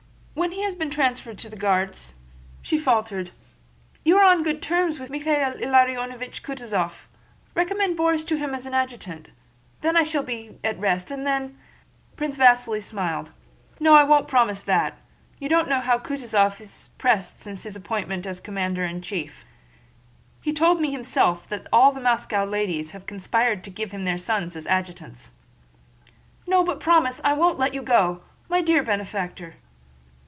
When he has been transferred to the Guards..." she faltered. "You are on good terms with Michael Ilariónovich Kutúzov ... recommend Borís to him as adjutant! Then I shall be at rest, and then..." Prince Vasíli smiled. "No, I won't promise that. You don't know how Kutúzov is pestered since his appointment as Commander in Chief. He told me himself that all the Moscow ladies have conspired to give him all their sons as adjutants." "No, but do promise! I won't let you go! My dear benefactor..."